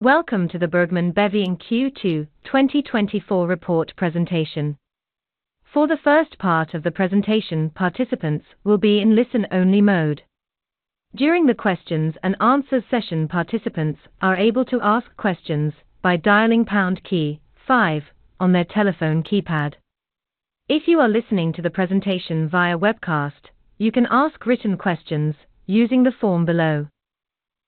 Welcome to the Bergman & Beving Q2 2024 report presentation. For the first part of the presentation, participants will be in listen-only mode. During the questions and answers session, participants are able to ask questions by dialing pound key five on their telephone keypad. If you are listening to the presentation via webcast, you can ask written questions using the form below.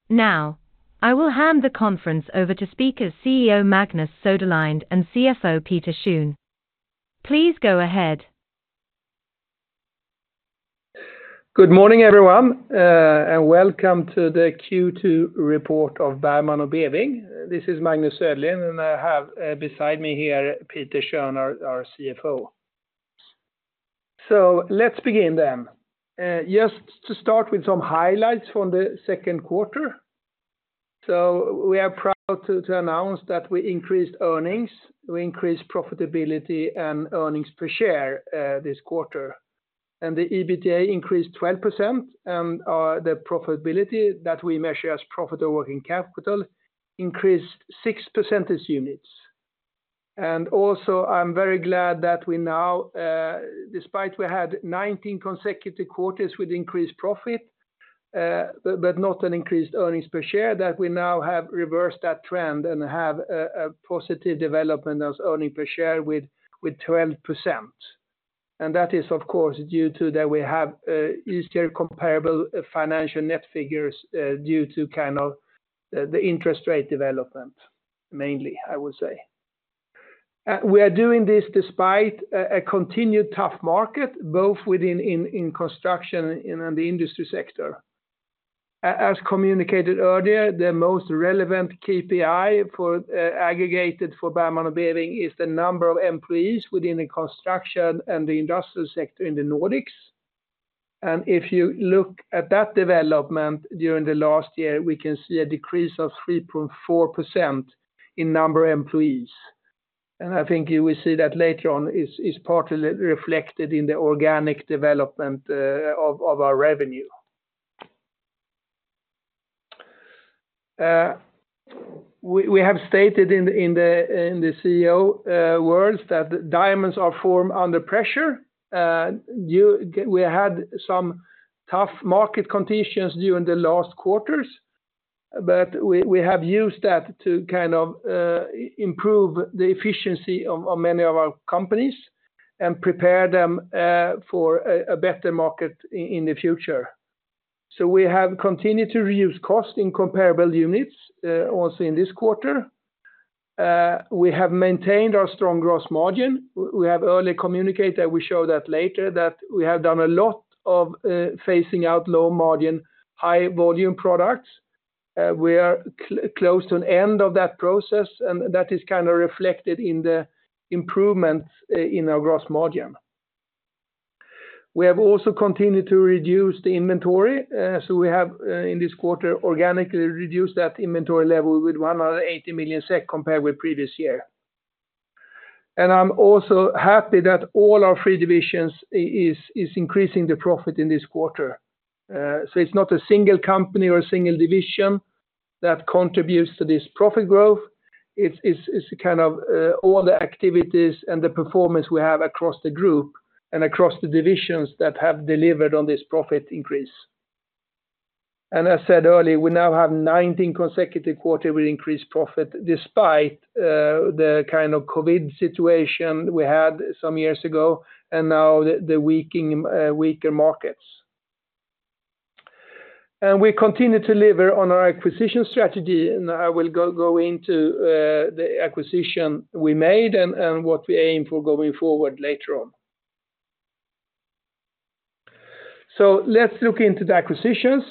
Now, I will hand the conference over to speakers, CEO Magnus Söderlind and CFO Peter Schön. Please go ahead. Good morning, everyone, and welcome to the Q2 report of Bergman & Beving. This is Magnus Söderlind, and I have, beside me here, Peter Schön, our CFO. So let's begin then. Just to start with some highlights from the second quarter. So we are proud to announce that we increased earnings, we increased profitability and earnings per share, this quarter. And the EBITDA increased 12%, and the profitability that we measure as profit over working capital increased 6 percentage units. And also, I'm very glad that we now, despite we had 19 consecutive quarters with increased profit, but not an increased earnings per share, that we now have reversed that trend and have a positive development as earnings per share with 12%. That is, of course, due to that we have easier comparable financial net figures due to kind of the interest rate development, mainly, I would say. We are doing this despite a continued tough market, both within construction and in the industry sector. As communicated earlier, the most relevant KPI for aggregated for Bergman & Beving is the number of employees within the construction and the industrial sector in the Nordics. If you look at that development during the last year, we can see a decrease of 3.4% in number of employees. I think you will see that later on is partly reflected in the organic development of our revenue. We have stated in the CEO words that diamonds are formed under pressure. We had some tough market conditions during the last quarters, but we have used that to kind of improve the efficiency of many of our companies and prepare them for a better market in the future. We have continued to reduce costs in comparable units also in this quarter. We have maintained our strong gross margin. We have clearly communicated that we show that later, that we have done a lot of phasing out low margin, high volume products. We are close to an end of that process, and that is kind of reflected in the improvements in our gross margin. We have also continued to reduce the inventory, so we have in this quarter organically reduced that inventory level with 108 million SEK, compared with previous year. I'm also happy that all our three divisions is increasing the profit in this quarter. So it's not a single company or a single division that contributes to this profit growth. It's kind of all the activities and the performance we have across the group and across the divisions that have delivered on this profit increase. As said earlier, we now have nineteen consecutive quarter with increased profit, despite the kind of COVID situation we had some years ago, and now the weakening weaker markets. We continue to deliver on our acquisition strategy, and I will go into the acquisition we made and what we aim for going forward later on. Let's look into the acquisitions.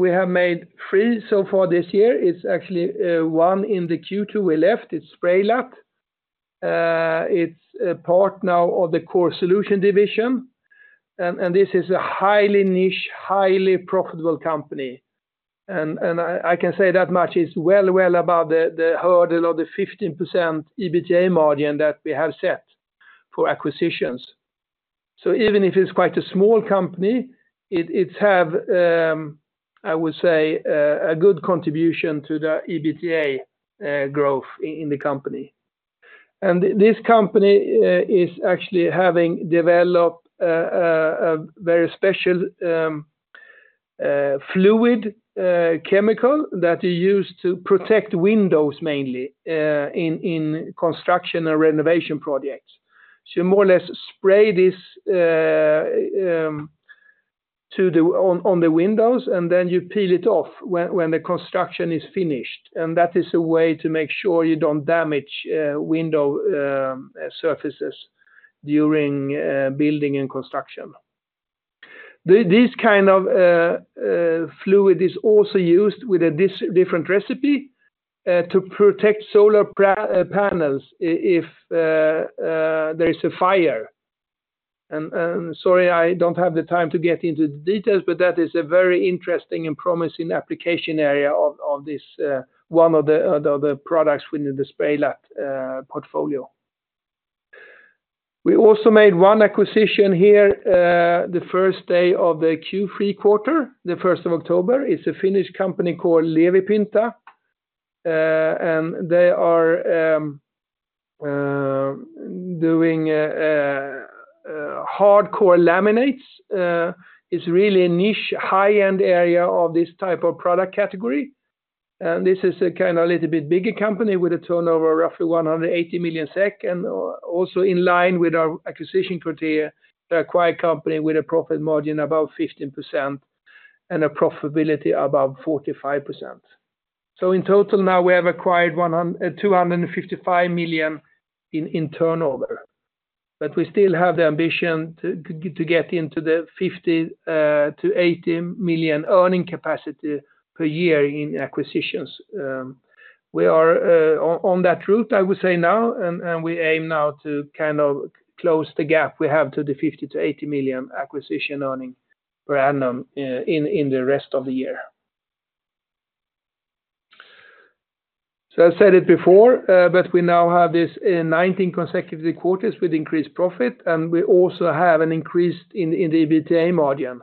We have made three so far this year. It's actually one in the Q2 we acquired, it's Spraylat. It's a part now of the Core Solutions division, and this is a highly niche, highly profitable company. And I can say that much is well above the hurdle of the 15% EBITDA margin that we have set for acquisitions. So even if it's quite a small company, it have I would say a good contribution to the EBITDA growth in the company. And this company is actually having developed a very special fluid chemical that is used to protect windows mainly in construction and renovation projects. So you more or less spray this to the windows, and then you peel it off when the construction is finished, and that is a way to make sure you don't damage window surfaces during building and construction. This kind of fluid is also used with a different recipe to protect solar panels if there is a fire. And sorry, I don't have the time to get into the details, but that is a very interesting and promising application area of this one of the products within the Spraylat portfolio. We also made one acquisition here, the first day of the Q3 quarter, the 1st of October. It's a Finnish company called Levypinta, and they are doing high-pressure laminates. It's really a niche, high-end area of this type of product category. And this is a kind of a little bit bigger company with a turnover of roughly 180 million SEK, and also in line with our acquisition criteria to acquire a company with a profit margin above 15% and a profitability above 45%. So in total, now we have acquired 255 million in turnover, but we still have the ambition to get into the 50 million-80 million earning capacity per year in acquisitions. We are on that route, I would say now, and we aim now to kind of close the gap we have to the 50 million-80 million acquisition earning per annum in the rest of the year. So I said it before, but we now have 19 consecutive quarters with increased profit, and we also have an increase in the EBITDA margin,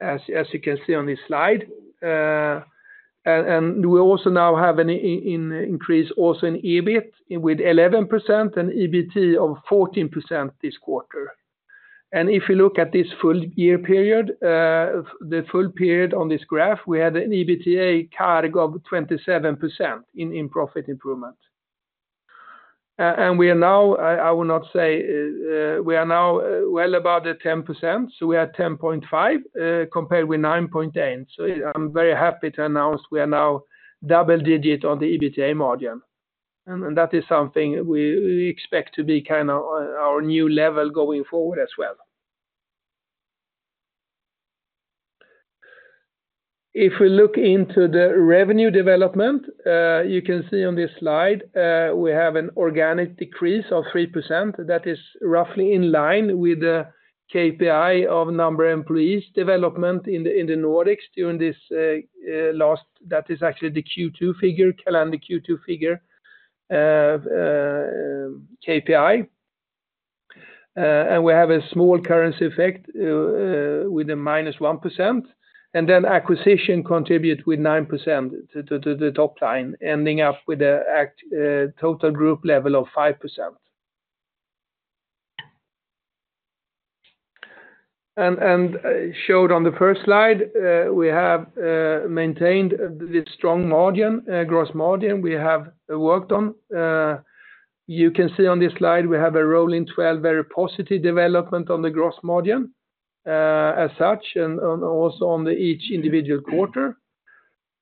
as you can see on this slide. And we also now have an increase also in EBIT, with 11% and EBIT of 14% this quarter. And if you look at this full year period, the full period on this graph, we had an EBITDA CAGR of 27% in profit improvement. And we are now. I will not say, we are now well above the 10%, so we are 10.5%, compared with 9.8%. I'm very happy to announce we are now double digit on the EBITDA margin, and that is something we expect to be kind of our new level going forward as well. If we look into the revenue development, you can see on this slide, we have an organic decrease of 3%. That is roughly in line with the KPI of number employees development in the Nordics during this. That is actually the Q2 figure, and the Q2 figure, KPI. And we have a small currency effect with a minus 1%, and then acquisition contribute with 9% to the top line, ending up with an actual total group level of 5%. As shown on the first slide, we have maintained the strong gross margin we have worked on. You can see on this slide, we have a rolling twelve very positive development on the gross margin, as such, and also on each individual quarter.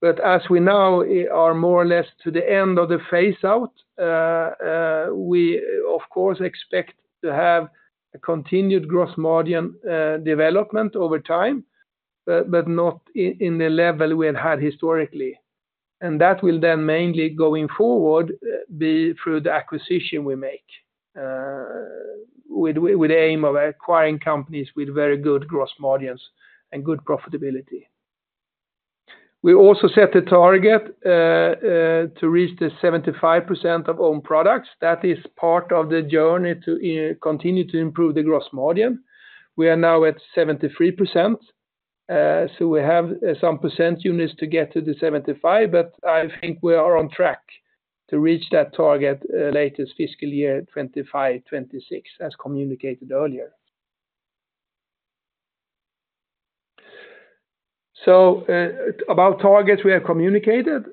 As we now are more or less to the end of the phase out, we of course expect to have a continued gross margin development over time, but not in the level we had had historically. That will then mainly, going forward, be through the acquisition we make, with the aim of acquiring companies with very good gross margins and good profitability. We also set a target to reach 75% of own products. That is part of the journey to continue to improve the gross margin. We are now at 73%, so we have some percentage points to get to the 75%, but I think we are on track to reach that target, latest fiscal year 2025, 2026, as communicated earlier. About targets we have communicated,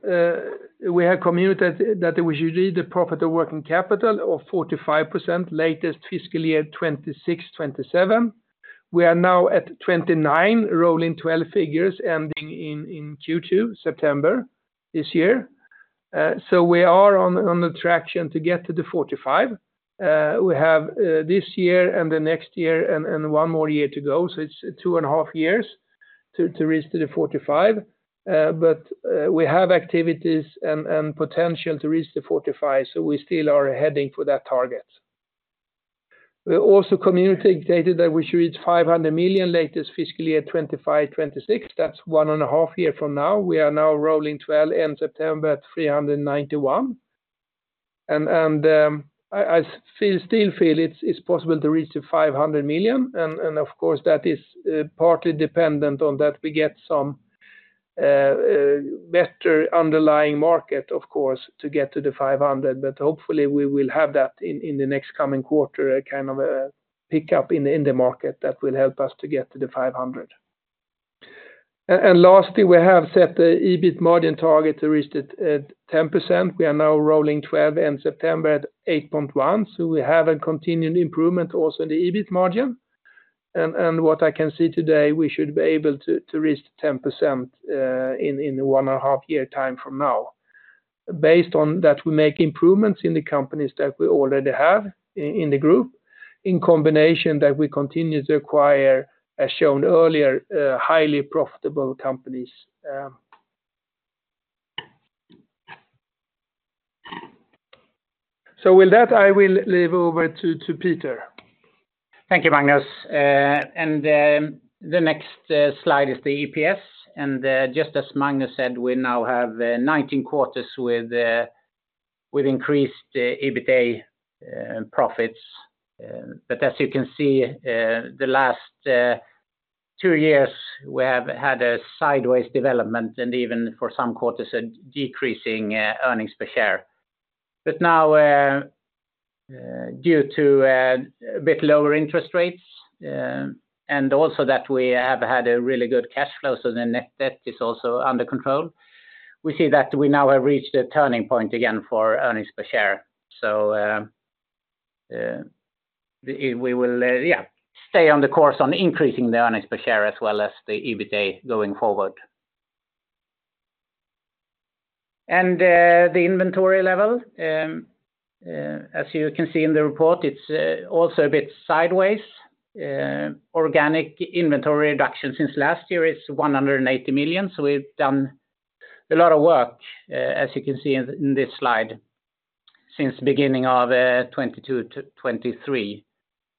we have communicated that we should reach the profit over working capital of 45%, latest fiscal year 2026, 2027. We are now at 29%, rolling twelve months, ending in Q2, September this year. So we are on track to get to the 45%. We have this year and the next year and one more year to go, so it's two and a half years to reach the 45%. But we have activities and potential to reach the 45, so we still are heading for that target. We also communicated that we should reach 500 million latest fiscal year 2025, 2026. That's one and a half year from now. We are now rolling twelve in September at 391 million. And I still feel it's possible to reach the 500 million. And of course, that is partly dependent on that we get some better underlying market, of course, to get to the 500 million. But hopefully, we will have that in the next coming quarter, a kind of a pickup in the market that will help us to get to the 500 million. And lastly, we have set the EBIT margin target to reach it at 10%. We are now rolling twelve in September at 8.1%, so we have a continued improvement also in the EBIT margin, and what I can see today, we should be able to reach the 10% in one and a half year time from now. Based on that, we make improvements in the companies that we already have in the group, in combination that we continue to acquire, as shown earlier, highly profitable companies, so with that, I will hand over to Peter. Thank you, Magnus. And the next slide is the EPS. And just as Magnus said, we now have nineteen quarters with increased EBITA profits. But as you can see, the last two years, we have had a sideways development, and even for some quarters, a decreasing earnings per share. But now, due to a bit lower interest rates, and also that we have had a really good cash flow, so the net debt is also under control. We see that we now have reached a turning point again for earnings per share. So we will stay on the course on increasing the earnings per share as well as the EBITA going forward. The inventory level, as you can see in the report, it's also a bit sideways. Organic inventory reduction since last year is 180 million. We've done a lot of work, as you can see in this slide, since the beginning of 2022 to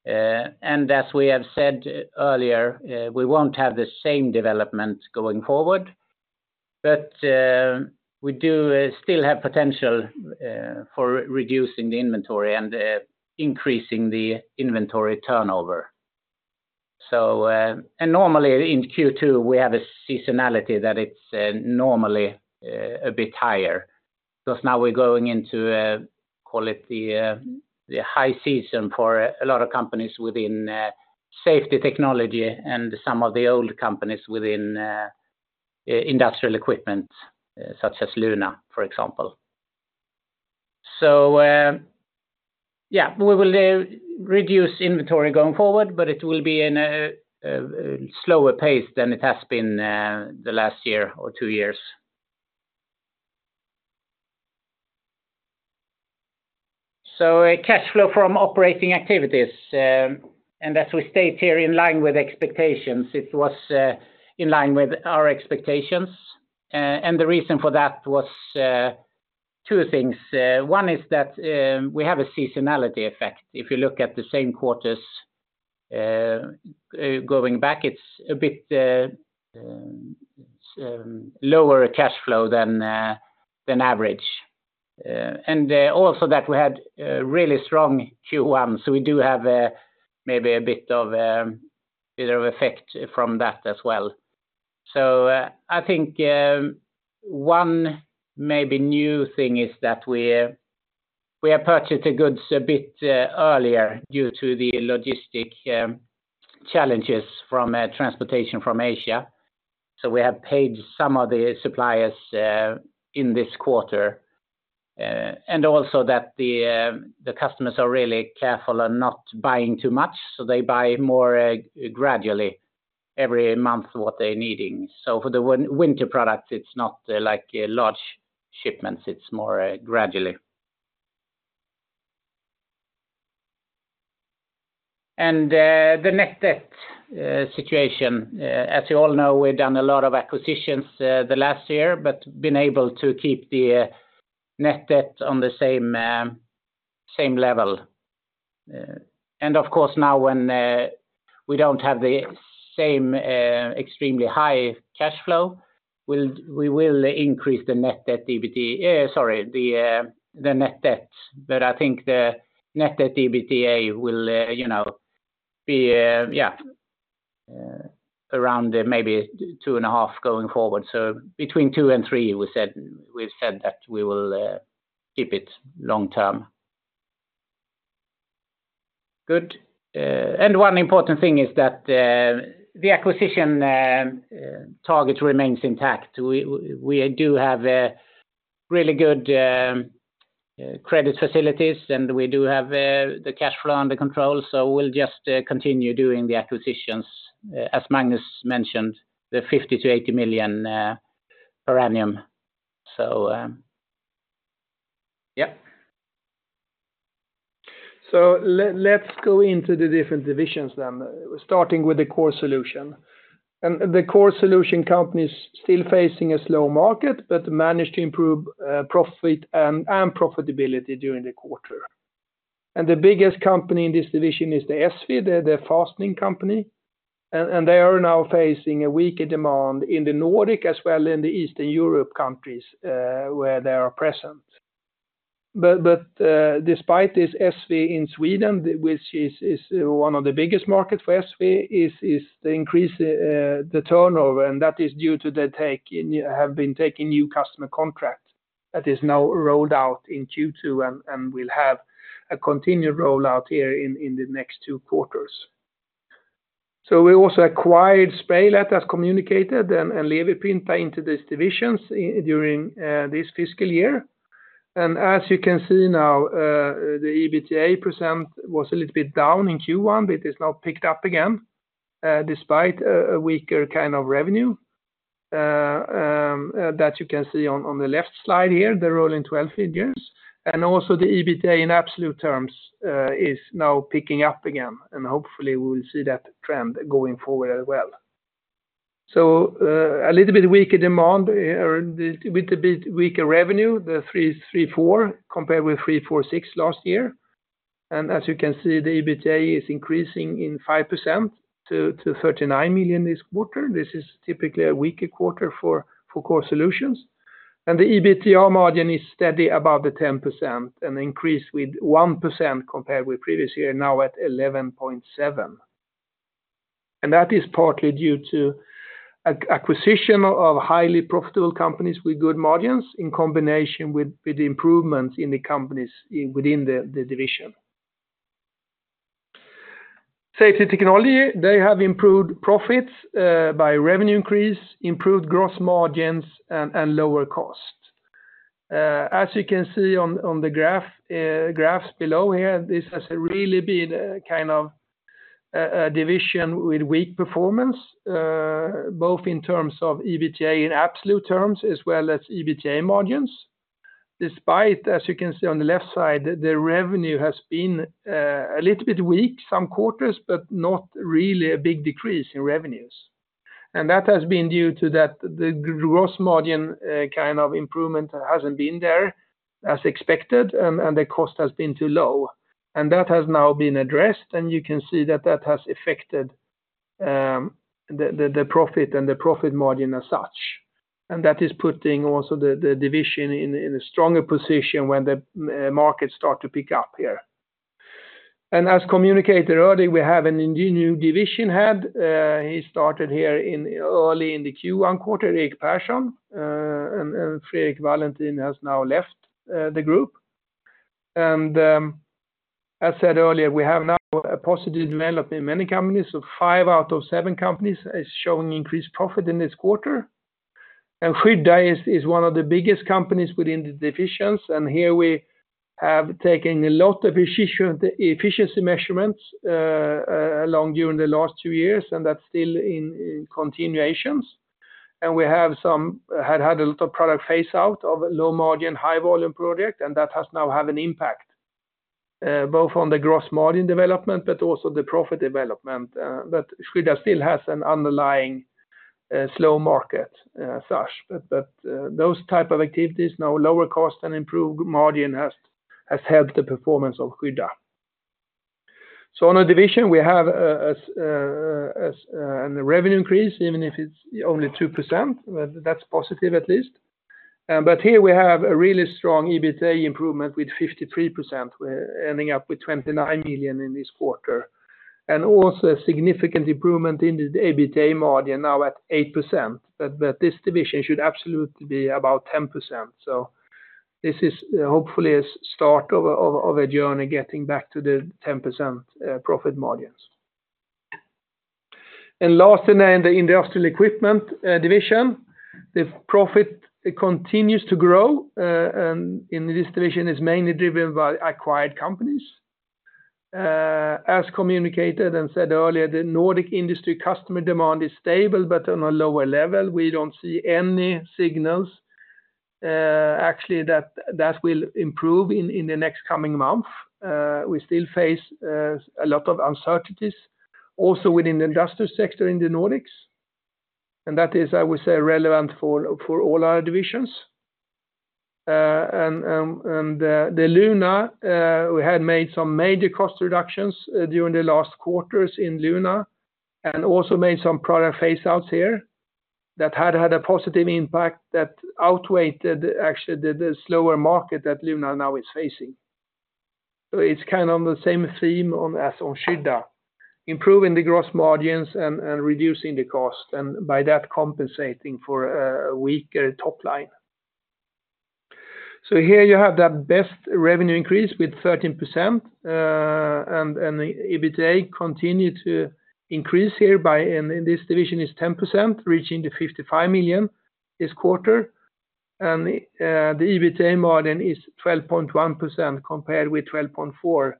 2023. As we have said earlier, we won't have the same development going forward, but we do still have potential for reducing the inventory and increasing the inventory turnover. Normally in Q2, we have a seasonality that it's normally a bit higher. Because now we're going into, call it the high season for a lot of companies within Safety Technology and some of the old companies within Industrial Equipment, such as Luna, for example. So, yeah, we will reduce inventory going forward, but it will be in a slower pace than it has been the last year or two years. So, cash flow from operating activities, and as we stated here in line with expectations, it was in line with our expectations. And the reason for that was two things. One is that we have a seasonality effect. If you look at the same quarters going back, it's a bit lower cash flow than average. And also that we had a really strong Q1, so we do have maybe a bit of effect from that as well. I think one maybe new thing is that we have purchased the goods a bit earlier due to the logistics challenges from transportation from Asia. We have paid some of the suppliers in this quarter, and also that the customers are really careful on not buying too much, so they buy more gradually every month, what they're needing. For the winter products, it's not like large shipments. It's more gradually. The net debt situation. As you all know, we've done a lot of acquisitions the last year, but been able to keep the net debt on the same level. Of course, now when we don't have the same extremely high cash flow, we will increase the Net Debt/EBITDA... Sorry, the Net debt, but I think the Net Debt/EBITDA will, you know, be around maybe 2.5% going forward. So between 2% and 3%, we said, we've said that we will keep it long term. Good. And one important thing is that the acquisition target remains intact. We do have a really good credit facilities, and we do have the cash flow under control, so we'll just continue doing the acquisitions as Magnus mentioned, the 50 million- 80 million per annum. So, yep. Let's go into the different divisions then, starting with the Core Solutions. The Core Solutions company is still facing a slow market, but managed to improve profit and profitability during the quarter. The biggest company in this division is ESSVE, the fastening company, and they are now facing a weaker demand in the Nordics as well as in the Eastern Europe countries where they are present. Despite this, ESSVE in Sweden, which is one of the biggest markets for ESSVE, is to increase the turnover, and that is due to the fact that they have been taking new customer contracts that is now rolled out in Q2, and will have a continued rollout here in the next two quarters. So we also acquired Spraylat, as communicated, and Levypinta into these divisions during this fiscal year. And as you can see now, the EBITDA % was a little bit down in Q1, but it's now picked up again, despite a weaker kind of revenue that you can see on the left slide here, the rolling 12 figures. And also the EBITDA in absolute terms is now picking up again, and hopefully, we will see that trend going forward as well. So, a little bit weaker demand, or with a bit weaker revenue, the 3.4%, compared with 34.6% last year. And as you can see, the EBITDA is increasing 5% to 39 million this quarter. This is typically a weaker quarter for Core Solutions. The EBITDA margin is steady above the 10% and increased with 1% compared with previous year, now at 11.7%. That is partly due to acquisition of highly profitable companies with good margins, in combination with improvements in the companies within the division. Safety Technology, they have improved profits by revenue increase, improved gross margins, and lower cost. As you can see on the graphs below here, this has really been a kind of a division with weak performance both in terms of EBITDA in absolute terms, as well as EBITDA margins. Despite, as you can see on the left side, the revenue has been a little bit weak some quarters, but not really a big decrease in revenues. And that has been due to that the gross margin kind of improvement hasn't been there as expected, and the cost has been too low. And that has now been addressed, and you can see that that has affected the profit and the profit margin as such. And that is putting also the division in a stronger position when the markets start to pick up here. And as communicated earlier, we have a new division head. He started here early in the Q1 quarter, Erik Persson, and Fredrik Valentin has now left the group. And as said earlier, we have now a positive development in many companies, so five out of seven companies is showing increased profit in this quarter. Skydda is one of the biggest companies within the divisions, and here we have taken a lot of efficiency measurements along during the last two years, and that's still in continuation. We have had a lot of product phase out of low-margin, high-volume product, and that has now had an impact both on the gross margin development, but also the profit development. Skydda still has an underlying slow market as such. Those type of activities, now lower cost and improved margin has helped the performance of Skydda. On a division, we have a revenue increase, even if it's only 2%, but that's positive at least. But here we have a really strong EBITDA improvement with 53%, ending up with 29 million in this quarter, and also a significant improvement in the EBITDA margin, now at 8%. But this division should absolutely be about 10%. So this is hopefully a start of a journey getting back to the 10% profit margins. And last, then the Industrial Equipment division, the profit continues to grow, and in this division is mainly driven by acquired companies. As communicated and said earlier, the Nordic industry customer demand is stable, but on a lower level. We don't see any signals, actually, that will improve in the next coming month. We still face a lot of uncertainties, also within the industrial sector in the Nordics, and that is, I would say, relevant for all our divisions. And the Luna, we had made some major cost reductions during the last quarters in Luna, and also made some product phase outs here that had a positive impact that outweighed actually the slower market that Luna now is facing. So it's kind of on the same theme as on Skydda, improving the gross margins and reducing the cost, and by that, compensating for a weaker top line. So here you have the best revenue increase with 13%, and the EBITDA continue to increase here by, and in this division is 10%, reaching 55 million this quarter. The EBITDA margin is 12.1% compared with 12.4%.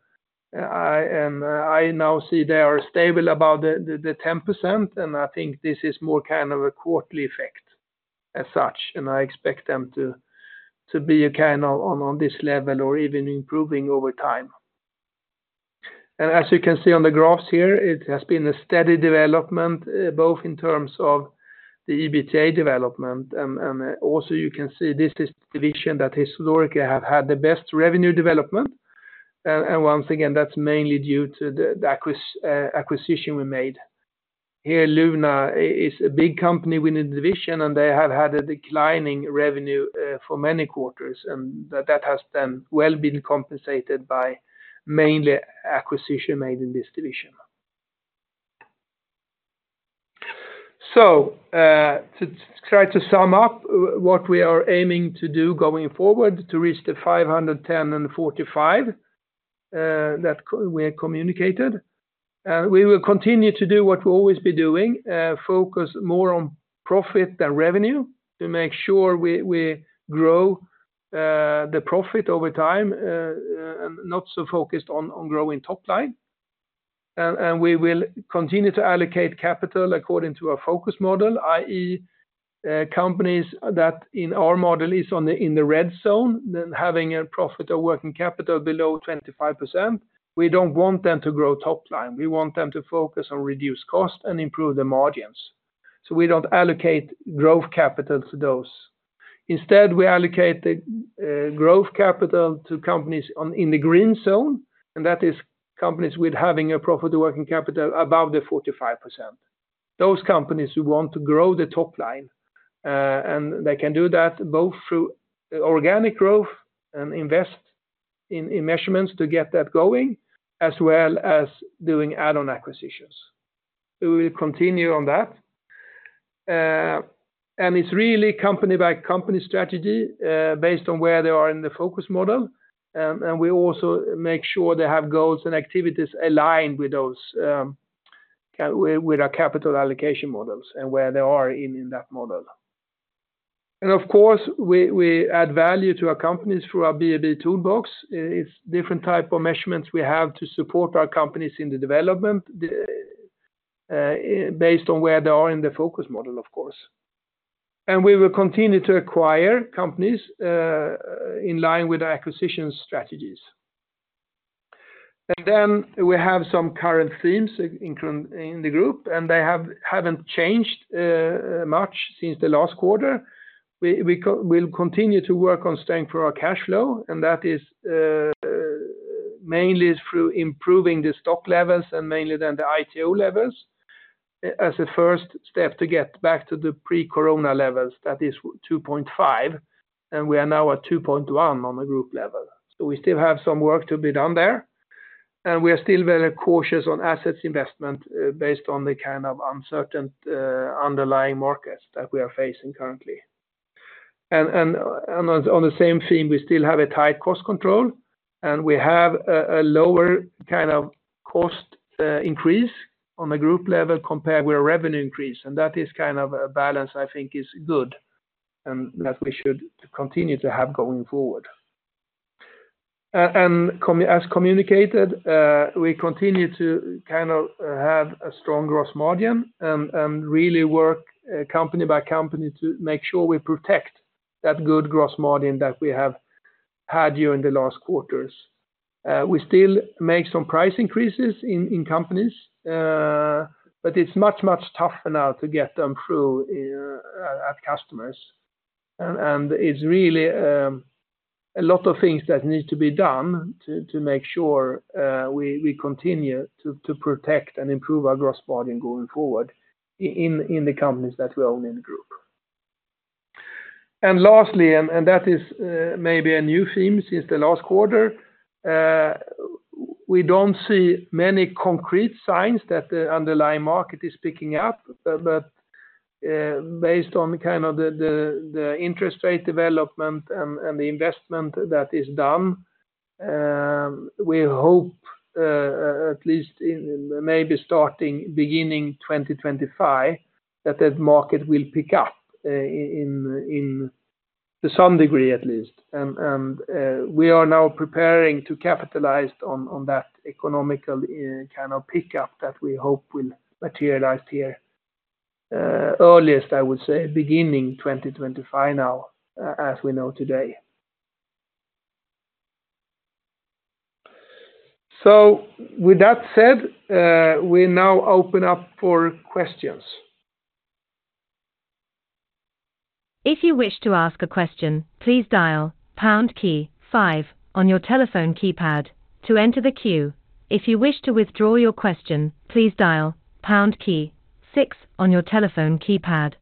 I now see they are stable above the 10%, and I think this is more kind of a quarterly effect as such, and I expect them to be kind of on this level or even improving over time. As you can see on the graphs here, it has been a steady development, both in terms of the EBITDA development, and also you can see this is the division that historically have had the best revenue development. Once again, that's mainly due to the acquisition we made. Here, Luna is a big company within the division, and they have had a declining revenue for many quarters, and that has been well compensated by mainly acquisition made in this division. So, to try to sum up what we are aiming to do going forward to reach the 510 and 45 that we have communicated. We will continue to do what we'll always be doing, focus more on profit than revenue, to make sure we grow the profit over time, and not so focused on growing top line. And we will continue to allocate capital according to our Focus Model, i.e., companies that in our model is on the, in the red zone, then having a profit over working capital below 25%, we don't want them to grow top line. We want them to focus on reduce cost and improve the margins, so we don't allocate growth capital to those. Instead, we allocate the growth capital to companies in the green zone, and that is companies with having a profit working capital above the 45%. Those companies who want to grow the top line, and they can do that both through organic growth and invest in measurements to get that going, as well as doing add-on acquisitions. We will continue on that, and it's really company by company strategy based on where they are in the Focus Model, and we also make sure they have goals and activities aligned with those with our capital allocation models and where they are in that model, and of course, we add value to our companies through our B&B Toolbox. It's a different type of measurements we have to support our companies in the development, based on where they are in the Focus Model, of course. We will continue to acquire companies in line with our acquisition strategies. Then we have some current themes in the group, and they haven't changed much since the last quarter. We'll continue to work on strengthening our cash flow, and that is mainly through improving the stock levels and mainly then the ITO levels, as a first step to get back to the pre-corona levels, that is 2.5, and we are now at 2.1 on the group level. So we still have some work to be done there, and we are still very cautious on assets investment based on the kind of uncertain underlying markets that we are facing currently. And on the same theme, we still have a tight cost control, and we have a lower kind of cost increase on the group level compared with our revenue increase, and that is kind of a balance I think is good, and that we should continue to have going forward. As communicated, we continue to kind of have a strong gross margin and really work company by company to make sure we protect that good gross margin that we have had during the last quarters. We still make some price increases in companies, but it's much, much tougher now to get them through at customers. And it's really a lot of things that need to be done to make sure we continue to protect and improve our gross margin going forward in the companies that we own in the group. And lastly, that is maybe a new theme since the last quarter. We don't see many concrete signs that the underlying market is picking up, but based on kind of the interest rate development and the investment that is done, we hope at least in maybe starting beginning twenty twenty-five that the market will pick up into some degree at least. We are now preparing to capitalize on that economic kind of pickup that we hope will materialize here earliest. I would say beginning 2025 now, as we know today. With that said, we now open up for questions. If you wish to ask a question, please dial pound key five on your telephone keypad to enter the queue. If you wish to withdraw your question, please dial pound key six on your telephone keypad.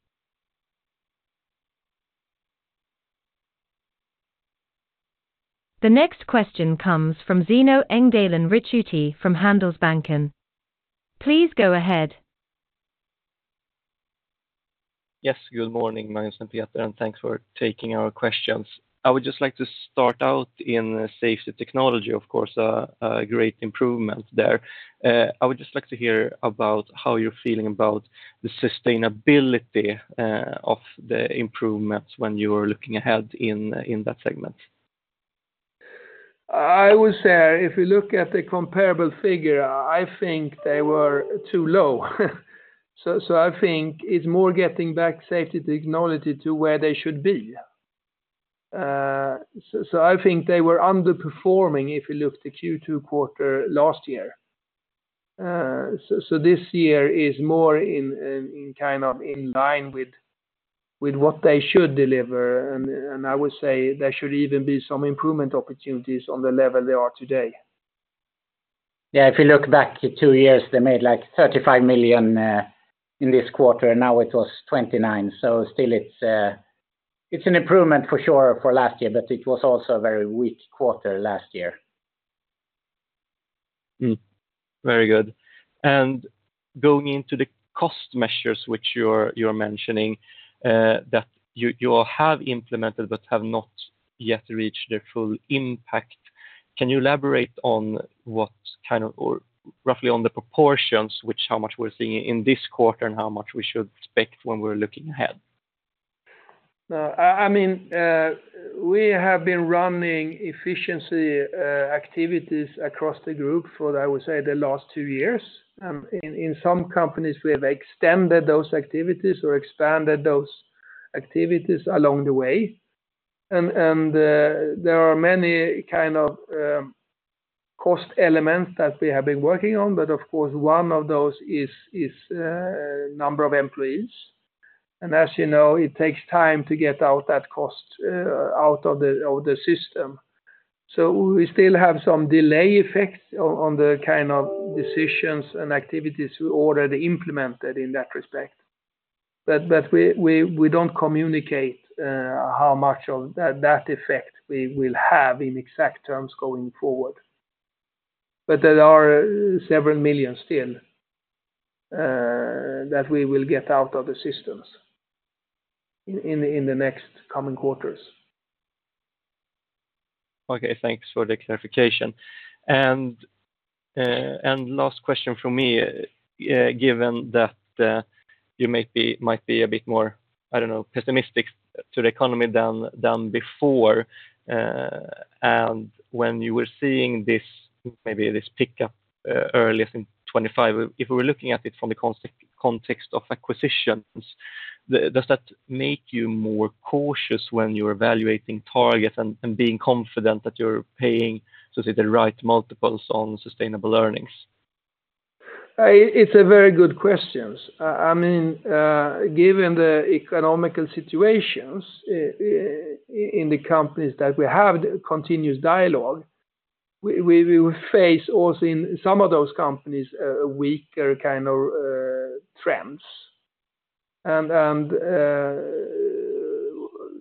The next question comes from Zino Ricciuti from Handelsbanken. Please go ahead. Yes, good morning, Magnus and Peter, and thanks for taking our questions. I would just like to start out in Safety Technology, of course, a great improvement there. I would just like to hear about how you're feeling about the sustainability of the improvements when you are looking ahead in that segment. I would say if you look at the comparable figure, I think they were too low. I think it's more getting back Safety Technology to where they should be. This year is more in kind of in line with what they should deliver, and I would say there should even be some improvement opportunities on the level they are today. Yeah, if you look back two years, they made, like, 35 million in this quarter, and now it was 29 million. So still it's an improvement for sure for last year, but it was also a very weak quarter last year. Very good. And going into the cost measures, which you're mentioning, that you have implemented but have not yet reached their full impact, can you elaborate on what kind of, or roughly on the proportions, which how much we're seeing in this quarter and how much we should expect when we're looking ahead? I mean, we have been running efficiency activities across the group for, I would say, the last two years. In some companies, we have extended those activities or expanded those activities along the way. And there are many kind of cost elements that we have been working on, but of course, one of those is number of employees. And as you know, it takes time to get out that cost out of the system. So we still have some delay effects on the kind of decisions and activities we already implemented in that respect. But we don't communicate how much of that effect we will have in exact terms going forward. But there are several million still that we will get out of the systems in the next coming quarters. Okay, thanks for the clarification. And last question from me, given that you might be a bit more, I don't know, pessimistic to the economy than before, and when you were seeing this, maybe this pickup earliest in 2025, if we were looking at it from the context of acquisitions, does that make you more cautious when you're evaluating targets and being confident that you're paying, so say, the right multiples on sustainable earnings? It's a very good question. I mean, given the economic situations in the companies that we have continuous dialogue, we face also in some of those companies a weaker kind of trends.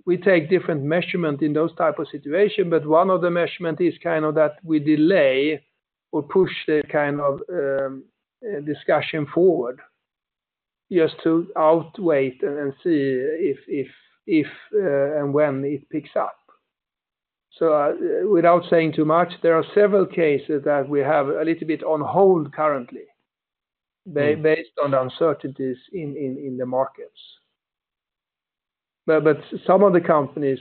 We take different measures in those types of situations, but one of the measures is kind of that we delay or push the kind of discussion forward just to outwait and see if and when it picks up. Without saying too much, there are several cases that we have a little bit on hold currently, based on the uncertainties in the markets. Some of the companies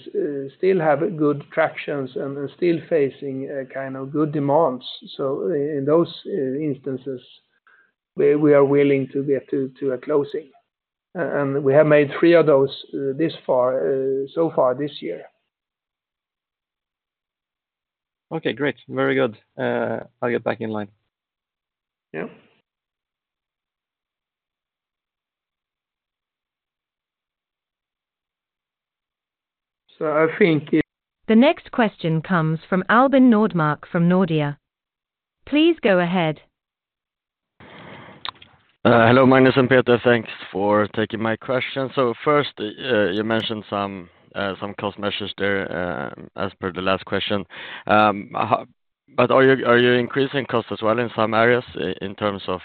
still have good traction and are still facing kind of good demands. So in those instances, we are willing to get to a closing, and we have made three of those this far, so far this year. Okay, great. Very good. I'll get back in line. Yeah, so I think it- The next question comes from Albin Nordmark from Nordea. Please go ahead. Hello, Magnus and Peter, thanks for taking my question. So first, you mentioned some cost measures there, as per the last question. But are you increasing costs as well in some areas, in terms of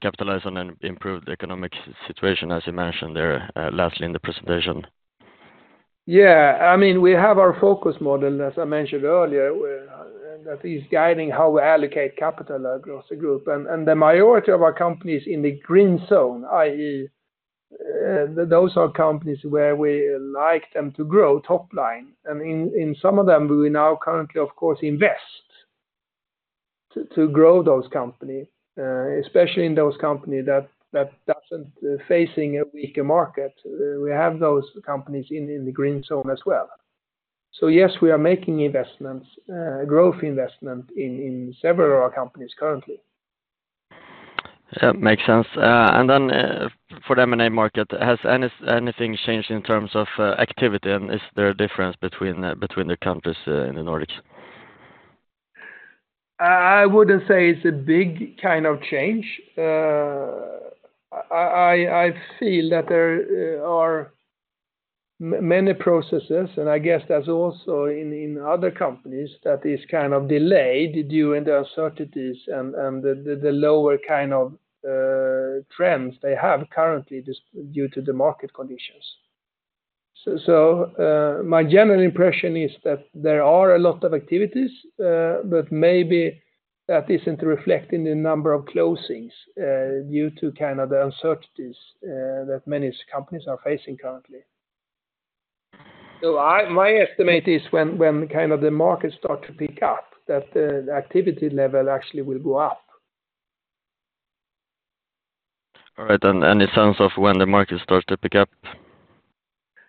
capitalizing on an improved economic situation, as you mentioned there lastly, in the presentation? Yeah, I mean, we have our Focus Model, as I mentioned earlier, that is guiding how we allocate capital across the group. And the majority of our companies in the green zone, i.e., those are companies where we like them to grow top line, and in some of them, we now currently, of course, invest to grow those company, especially in those company that doesn't facing a weaker market. We have those companies in the green zone as well. So yes, we are making investments, growth investment in several of our companies currently. Yeah, makes sense. And then, for the M&A market, has anything changed in terms of activity? And is there a difference between the countries in the Nordics? I wouldn't say it's a big kind of change. I feel that there are many processes, and I guess that's also in other companies, that is kind of delayed during the uncertainties and the lower kind of trends they have currently just due to the market conditions. So, my general impression is that there are a lot of activities, but maybe that isn't reflecting the number of closings, due to kind of the uncertainties, that many companies are facing currently. So my estimate is when kind of the market start to pick up, that the activity level actually will go up. All right, and any sense of when the market starts to pick up?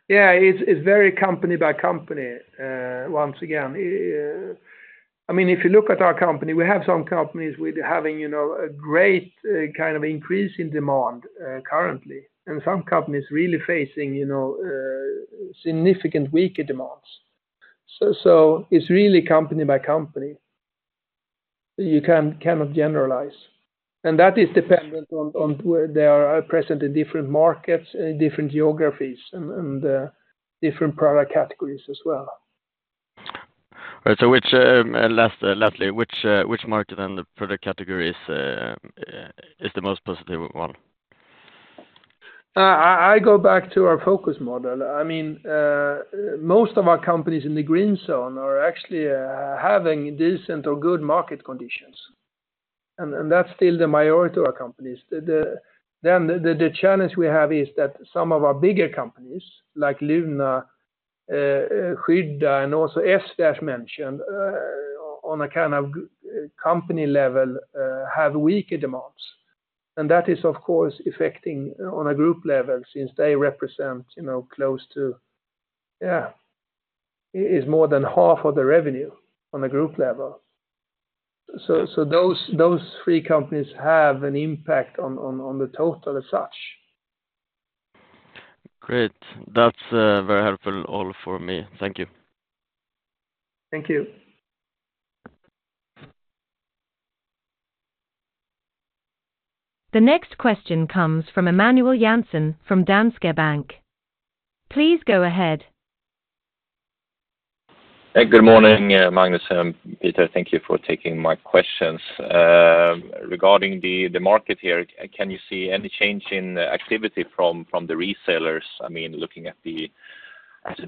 Yeah, it's, it's very company by company, once again. I mean, if you look at our company, we have some companies with having, you know, a great, kind of increase in demand, currently, and some companies really facing, you know, significant weaker demands. So, so it's really company by company. You cannot generalize, and that is dependent on where they are present in different markets, different geographies and, different product categories as well. Right. So, lastly, which market and the product categories is the most positive one? I go back to our Focus Model. I mean, most of our companies in the green zone are actually having decent or good market conditions, and that's still the majority of our companies. The challenge we have is that some of our bigger companies, like Luna, Skydda, and also ESSVE mentioned, on a kind of group company level, have weaker demands, and that is, of course, affecting on a group level, since they represent, you know, close to. Yeah, it's more than half of the revenue on a group level. So those three companies have an impact on the total as such. Great. That's very helpful all for me. Thank you. Thank you. The next question comes from Emanuel Jansson from Danske Bank. Please go ahead. Hey, good morning, Magnus and Peter. Thank you for taking my questions. Regarding the market here, can you see any change in activity from the resellers? I mean, looking at the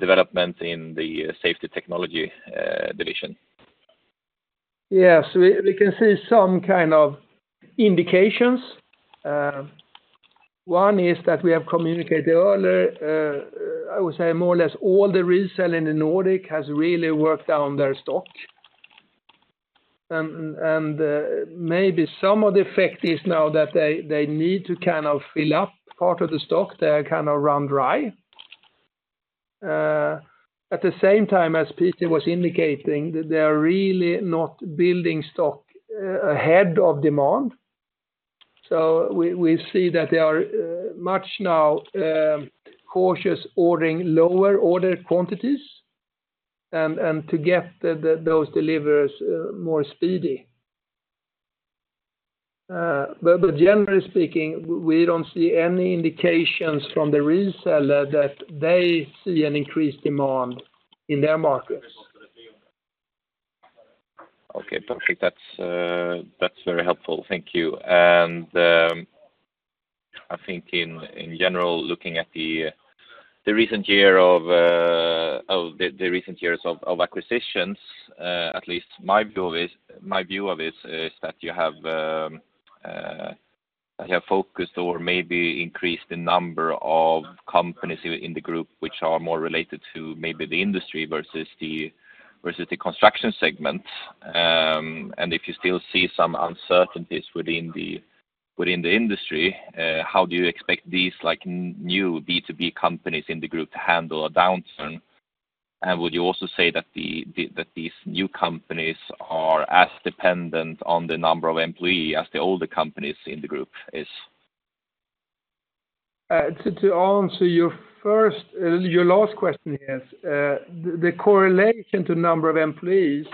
development in the Safety Technology division. Yes, we can see some kind of indications. One is that we have communicated earlier. I would say more or less all the resellers in the Nordics has really worked down their stock. Maybe some of the effect is now that they need to kind of fill up part of the stock. They are kind of running dry. At the same time, as Peter was indicating, they are really not building stock ahead of demand. We see that they are much more now cautious ordering lower order quantities, and to get those deliveries more speedy. Generally speaking, we don't see any indications from the resellers that they see an increased demand in their markets. Okay, perfect. That's very helpful. Thank you. And I think in general, looking at the recent years of acquisitions, at least my view is that you have focused or maybe increased the number of companies in the group which are more related to maybe the industry versus the construction segment. And if you still see some uncertainties within the industry, how do you expect these, like, new B2B companies in the group to handle a downturn? And would you also say that these new companies are as dependent on the number of employee as the older companies in the group is? To answer your first, your last question, yes, the correlation to number of employees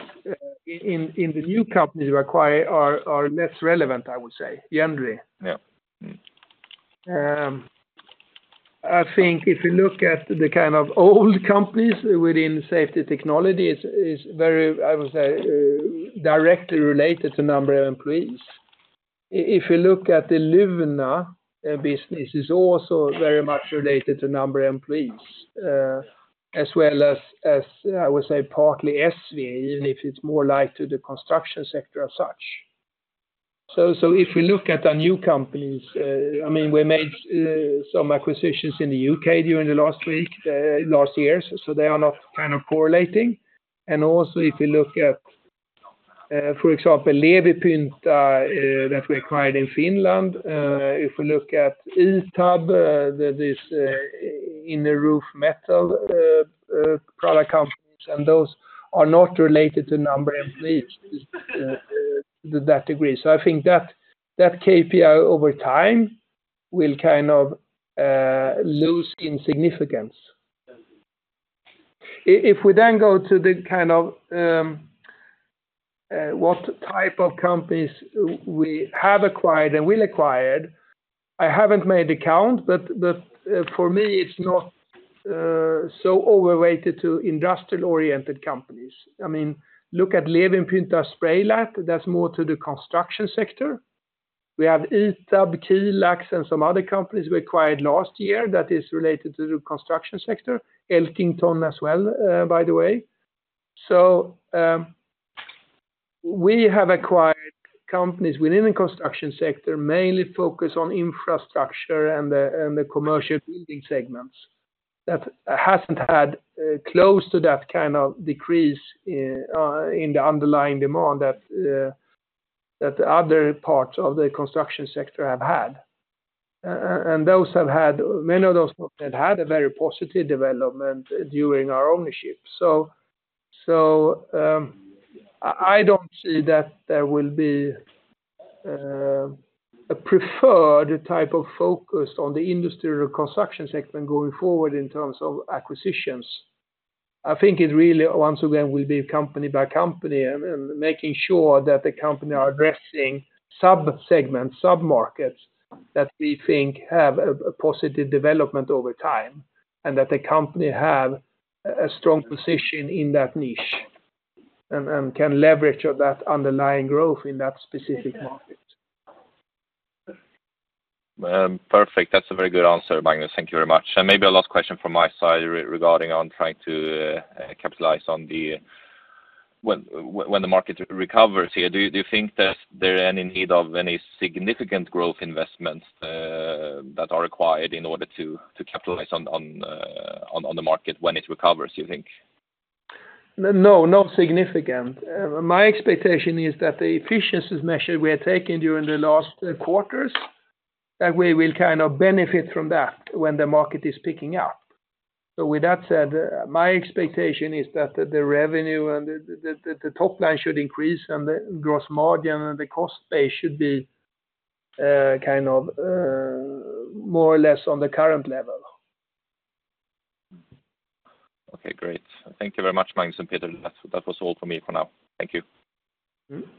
in the new companies you acquire are less relevant, I would say, generally. Yeah. Mm. I think if you look at the kind of old companies within safety technologies is very, I would say, directly related to number of employees. If you look at the Luna business, is also very much related to number of employees, as well as, I would say, partly ESSVE, even if it's more like to the construction sector as such. So if you look at the new companies, I mean, we made some acquisitions in the UK during the last year, so they are not kind of correlating. And also, if you look at, for example, Levypinta that we acquired in Finland, if you look at Itaab that is in the roof metal product companies, and those are not related to number of employees to that degree. So I think that KPI over time will kind of lose in significance. If we then go to the kind of what type of companies we have acquired and will acquire, I haven't made the count, but the, for me, it's not so overweighted to industrial-oriented companies. I mean, look at Levypinta, Spraylat, that's more to the construction sector. We have Itaab, Kiilax, and some other companies we acquired last year that is related to the construction sector. Elkington as well, by the way. So we have acquired companies within the construction sector, mainly focused on infrastructure and the, and the commercial building segments. That hasn't had close to that kind of decrease in the underlying demand that that other parts of the construction sector have had. And many of those have had a very positive development during our ownership. So, I don't see that there will be a preferred type of focus on the industrial construction sector going forward in terms of acquisitions. I think it really, once again, will be company by company and making sure that the company are addressing sub-segments, sub-markets, that we think have a positive development over time, and that the company have a strong position in that niche, and can leverage of that underlying growth in that specific market. Perfect. That's a very good answer, Magnus. Thank you very much. And maybe a last question from my side regarding on trying to capitalize on the when the market recovers here, do you think that there are any need of any significant growth investments that are required in order to capitalize on the market when it recovers, you think? No, not significant. My expectation is that the efficiency measures we are taking during the last quarters, that we will kind of benefit from that when the market is picking up. So with that said, my expectation is that the revenue and the top line should increase and the gross margin and the cost base should be kind of more or less on the current level. Okay, great. Thank you very much, Magnus and Peter. That's, that was all for me for now. Thank you. Mm-hmm.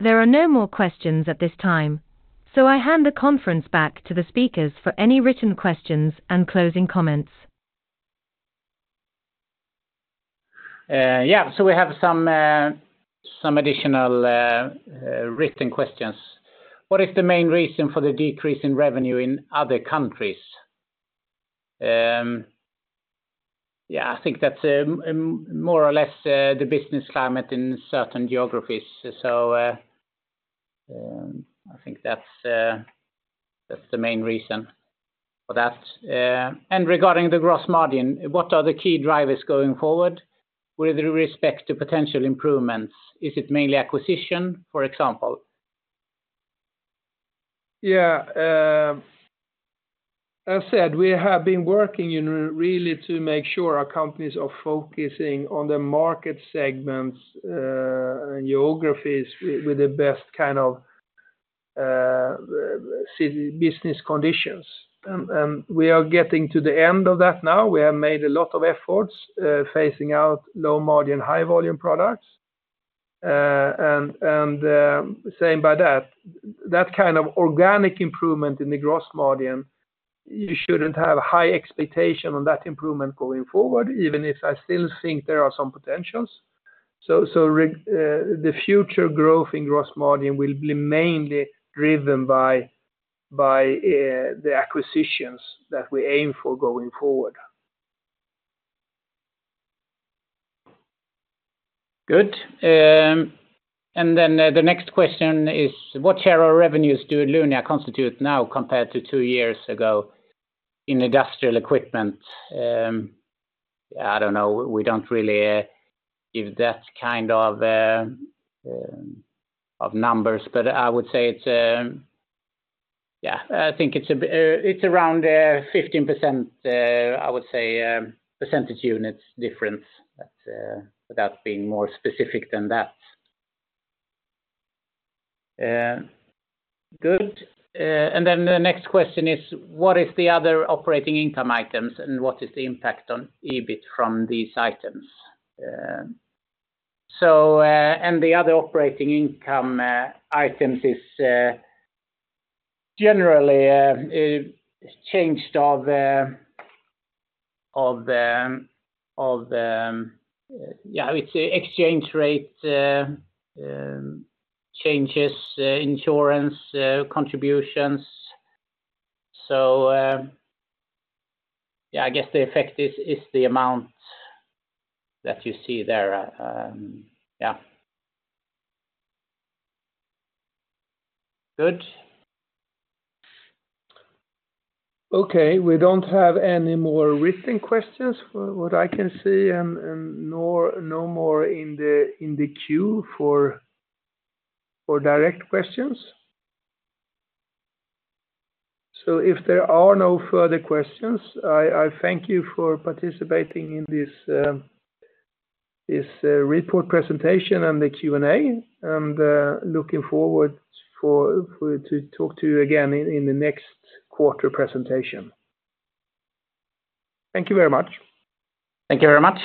There are no more questions at this time, so I hand the conference back to the speakers for any written questions and closing comments. Yeah, so we have some additional written questions. What is the main reason for the decrease in revenue in other countries? Yeah, I think that's more or less the business climate in certain geographies. So, I think that's the main reason for that. And regarding the gross margin, what are the key drivers going forward with respect to potential improvements? Is it mainly acquisition, for example? Yeah, as said, we have been working really to make sure our companies are focusing on the market segments, geographies with the best kind of certain business conditions. We are getting to the end of that now. We have made a lot of efforts phasing out low margin, high volume products. By saying that, that kind of organic improvement in the gross margin, you shouldn't have high expectation on that improvement going forward, even if I still think there are some potentials. The future growth in gross margin will be mainly driven by the acquisitions that we aim for going forward. Good. And then, the next question is, what share our revenues do Luna constitute now compared to two years ago in industrial equipment? I don't know. We don't really give that kind of numbers, but I would say it's, yeah, I think it's around 15%, I would say, percentage units difference, but without being more specific than that. Good. And then the next question is, what is the other operating income items, and what is the impact on EBIT from these items? So, and the other operating income items is generally, yeah, it's exchange rate changes, insurance contributions. So, yeah, I guess the effect is the amount that you see there. Yeah. Good. Okay. We don't have any more written questions from what I can see, and no more in the queue for direct questions. So if there are no further questions, I thank you for participating in this report presentation and the Q&A, and looking forward to talk to you again in the next quarter presentation. Thank you very much. Thank you very much.